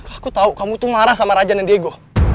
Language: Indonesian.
aku tahu kamu tuh marah sama raja dan diego